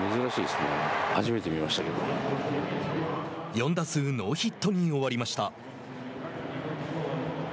４打数ノーヒットに終わりました。